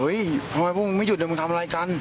เฮ้ยทำไมลงมึงไม่หยุดอะมึงทำอะไรกัน